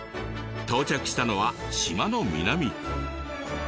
到着したのは島の南。